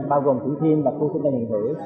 bao gồm thủ thiên và khu tân điện hữu